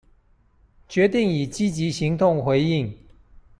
決定以積極行動回應